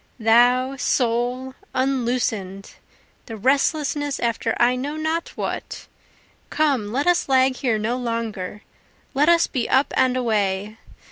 Thou, soul, unloosen'd the restlessness after I know not what; Come, let us lag here no longer, let us be up and away!